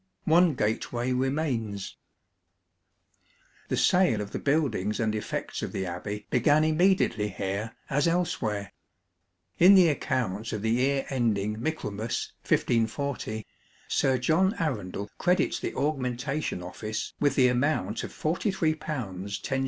One gateway remains, TORRE ABBEY The sale of the buildings and effects of the abbey begare immediately here as elsewhere. In the accounts of the year ending Michaelmas, 1340, Sir John Arundel credits the Augmentation OfBce with the amount of £43 los.